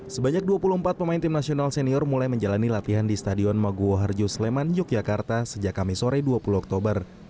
sebanyak dua puluh empat pemain tim nasional senior mulai menjalani latihan di stadion maguwo harjo sleman yogyakarta sejak kami sore dua puluh oktober